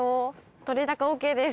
とれ高ＯＫです。